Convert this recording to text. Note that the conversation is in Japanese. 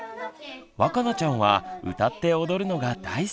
わかなちゃんは歌って踊るのが大好き。